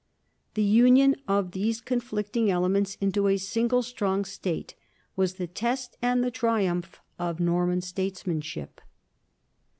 The union of these conflicting elements into a single strong state was the test and the triumph of Norman statesmanship.